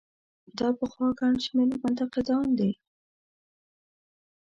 دا پخوا ګڼ شمېر منتقدان دي.